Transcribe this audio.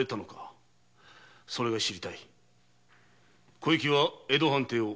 小雪は江戸藩邸を。